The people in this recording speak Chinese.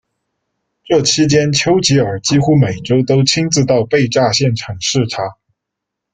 这期间丘吉尔几乎每周都亲自到被炸现场视察。